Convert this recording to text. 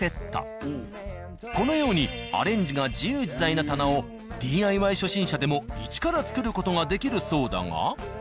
このようにアレンジが自由自在な棚をＤＩＹ初心者でも一から作る事ができるそうだが。